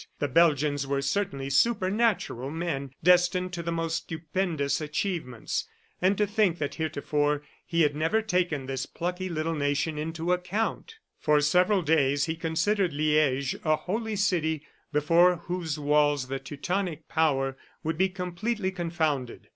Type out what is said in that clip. The Belgians were certainly supernatural men destined to the most stupendous achievements. ... And to think that heretofore he had never taken this plucky little nation into account! ... For several days, he considered Liege a holy city before whose walls the Teutonic power would be completely confounded.